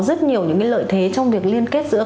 rất nhiều những lợi thế trong việc liên kết giữa